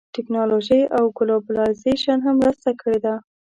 ټیکنالوژۍ او ګلوبلایزېشن هم مرسته کړې ده